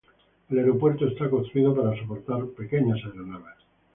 El aeropuerto está construido para soportar pequeñas aeronaves.